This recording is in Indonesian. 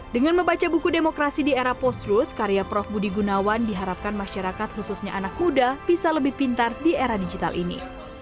dengan membaca buku demokrasi di era post truth karya prof budi gunawan diharapkan masyarakat khususnya anak muda bisa lebih pintar di era digital ini